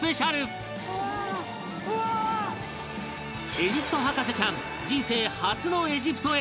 エジプト博士ちゃん人生の初のエジプトへ！